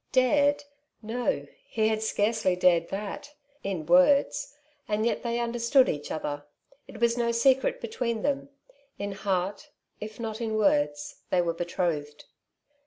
Dared ? No ; he had scarcely dared that — in words — and yet they understood each other ; it was no secret between them : in heart, if not in words, they were betrothed.